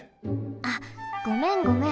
あっごめんごめん。